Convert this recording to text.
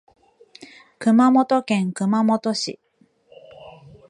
熊本県熊本市